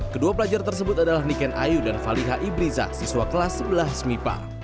kedua pelajar tersebut adalah niken ayu dan faliha ibriza siswa kelas sebelas smipar